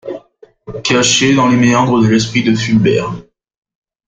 cach'e dans les m'eandres de l'esprit de Fulbert.